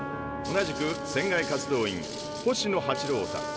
同じく船外活動員星野八郎太。